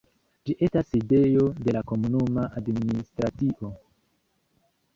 Ĝi estas sidejo de la komunuma administracio.